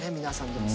皆さん。